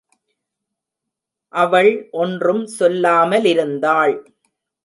அவள் ஒன்றும் சொல்லாமலிருந்தாள்.